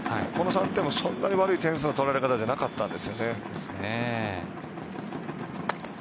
この３点もそんなに悪い点数の取られ方じゃなかったんですよね。